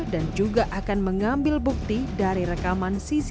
dan juga akan mengambil luka berdarah di bagian hidung